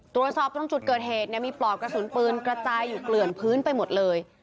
ตรวจสอบตรงจุดเกิดเหตุเนี่ยมีปลอกกระสุนปืนกระจายอยู่เกลื่อนพื้นไปหมดเลย